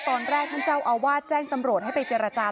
ตอนแรกท่านเจ้าอาวาสแจ้งตำรวจให้ไปเจรจา